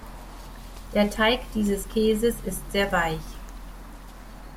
Der Teig dieses Käses ist sehr weich.